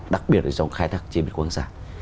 đặc biệt là trong khai thác trên biển quang sản